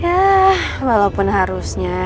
yah walaupun harusnya